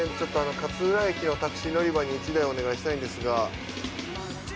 勝浦駅のタクシー乗り場に１台お願いしたいんですが。